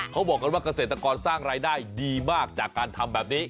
เขาบอกกันว่าเกษตรกรสร้างรายได้ดีมากจากการทำแบบนี้